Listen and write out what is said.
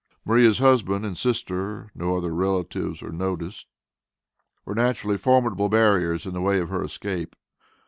Maria's husband and sister (no other relatives are noticed), were naturally formidable barriers in the way of her escape.